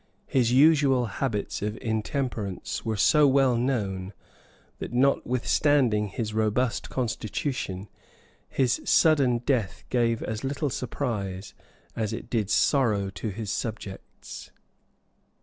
His usual habits of intemperance were so well known, that, notwithstanding his robust constitution, his sudden death gave as little surprise as it did sorrow to his subjects.